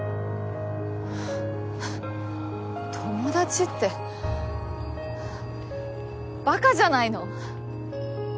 友達って馬鹿じゃないの？